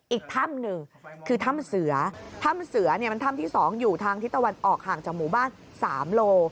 อีกถ้ำหนึ่งคือถ้ำเสือถ้ำเสือเนี่ยมันถ้ำที่๒อยู่ทางทิศตะวันออกห่างจากหมู่บ้าน๓โล